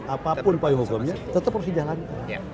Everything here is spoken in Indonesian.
apapun payung hukumnya tetap harus dijalankan